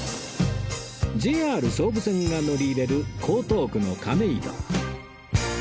ＪＲ 総武線が乗り入れる江東区の亀戸